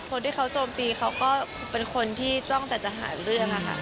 คนที่เขาโจมตีเขาก็เป็นคนที่จ้องแต่จะหาเรื่องค่ะ